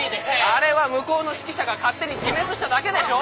あれは向こうの指揮者が勝手に自滅しただけでしょ。